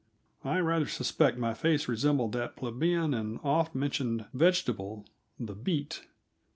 I rather suspect that my face resembled that plebeian and oft mentioned vegetable, the beet.